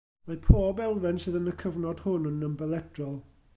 Mae pob elfen sydd yn y cyfnod hwn yn ymbelydrol.